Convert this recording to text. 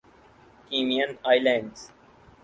Cayman islands